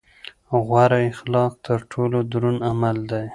غوره اخلاق تر ټولو دروند عمل دی.